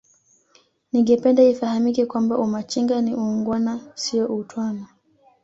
ningependa ifahamike kwamba Umachinga ni uungwana sio utwana